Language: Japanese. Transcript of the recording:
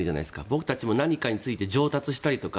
僕たちも何かについて上達したりとか